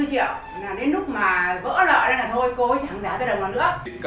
chỉ là đến lúc mà vỡ lại đây là thôi cô chẳng giả tôi đâu còn nữa